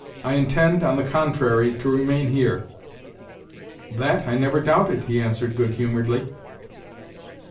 "I intend, on the contrary, to remain here." "That I never doubted," he answered good humouredly.